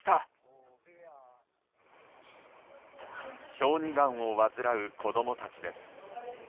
小児がんを患う子供たちです。